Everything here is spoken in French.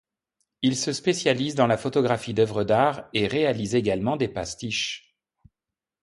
Il se spécialise dans la photographie d'œuvres d'art et réalise également des pastiches.